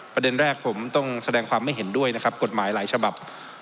ประเด็นแรกผมต้องแสดงความไม่เห็นด้วยนะครับกฎหมายหลายฉบับ